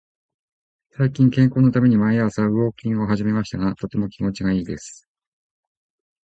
最近、健康のために毎朝ウォーキングを始めましたが、とても気持ちがいいです。